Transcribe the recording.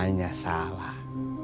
tapi caranya salah